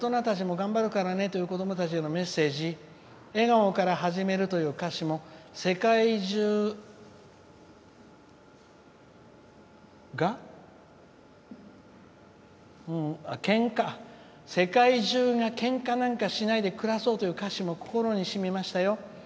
「どうか諦めないで大人たちも頑張るからね」という子どもたちへのメッセージ「笑顔からはじめる」という歌詞も「世界中がけんかなんかしないで暮らそう」という歌詞も心に残りました。